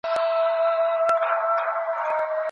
لوی کارونه وخت غواړي.